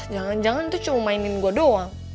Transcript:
jangan jangan tuh cuma mainin gue doang